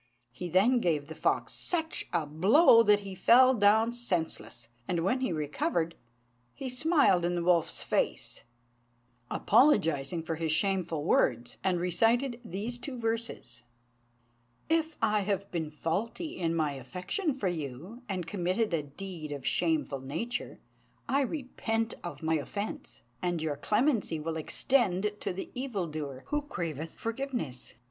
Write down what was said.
He then gave the fox such a blow that he fell down senseless; and when he recovered, he smiled in the wolf's face, apologising for his shameful words, and recited these two verses: "If I have been faulty in my affection for you, and committed a deed of a shameful nature, I repent of my offence, and your clemency will extend to the evildoer who craveth forgiveness."